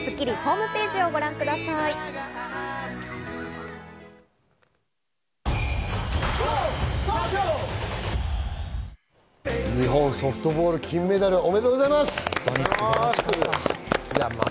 詳しくは『スッキ日本ソフトボール金メダルおめでとうございます。